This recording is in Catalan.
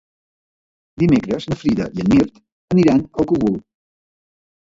Dimecres na Frida i en Mirt aniran al Cogul.